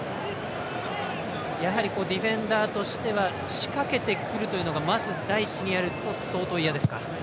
ディフェンダーとしては仕掛けてくるというのがまず第一にあると相当嫌ですか。